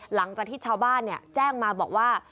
หลังจากที่ชาวบ้านแจ้งมาบอกว่า